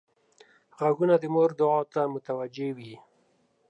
غوږونه د مور دعا ته متوجه وي